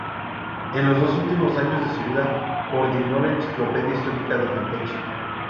En los dos últimos años de su vida coordinó la "Enciclopedia histórica de Campeche".